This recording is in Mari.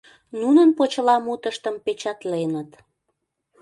Нунын почеламутыштым печатленыт.